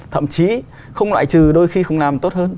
thậm chí không loại trừ đôi khi không làm tốt hơn